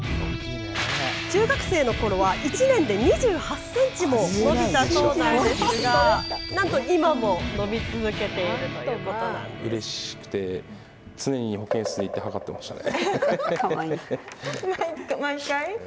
中学生のころは１年で２８センチも伸びたそうなんですがなんと今も伸び続けているとうれしくて常に保健室行って計ってましたね。